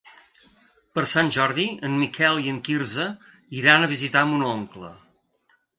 Per Sant Jordi en Miquel i en Quirze iran a visitar mon oncle.